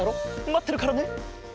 まってるからね。